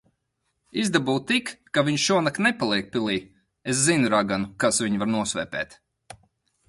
Izdabū tik, ka viņš šonakt nepaliek pilī. Es zinu raganu, kas viņu var nosvēpēt.